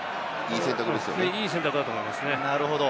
いい選択だと思いますね。